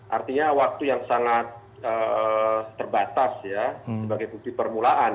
artinya waktu yang sangat terbatas ya sebagai bukti permulaan